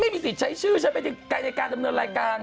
ไม่มีสิทธิ์ใช้ชื่อเพราะคำว่าประจำใดในการดำเนินรายการ